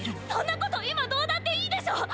そんなこと今どうだっていいでしょ！！